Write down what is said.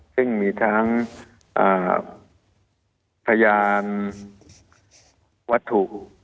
ซึ่งมีทั้งพยานวัตถุ